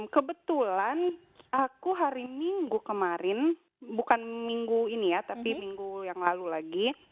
kebetulan aku hari minggu kemarin bukan minggu ini ya tapi minggu yang lalu lagi